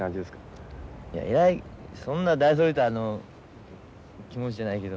いやえらいそんな大それた気持ちじゃないけど。